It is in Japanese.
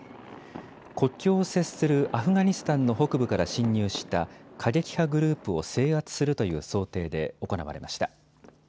国境を接するアフガニスタンの北部から侵入した過激派グループを制圧するという想定で行われました。